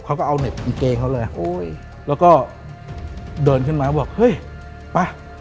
เขาก็เอาเห็บกางเกงเขาเลยโอ้ยแล้วก็เดินขึ้นมาบอกเฮ้ยไป